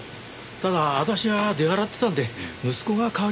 ただ私は出払ってたんで息子が代わりに。